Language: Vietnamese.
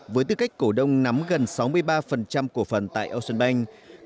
với tư cách cổ đông nắm gần sáu mươi ba cổ phần tại ocean bank